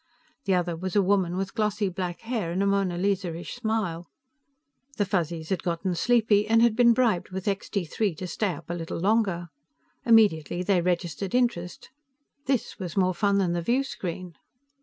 The other was a woman with glossy black hair and a Mona Lisa ish smile. The Fuzzies had gotten sleepy, and had been bribed with Extee Three to stay up a little longer. Immediately, they registered interest. This was more fun than the viewscreen.